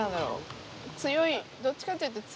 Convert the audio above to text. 強いどっちかというと強い感じ。